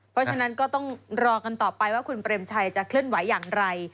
เพราะฉะนั้นก็ต้องรอกันต่อไปว่าคุณเปรมชัยจะเคลื่อนไหวอย่างไร